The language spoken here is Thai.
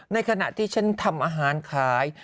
ในขณะที่ฉันทำอาหารขาย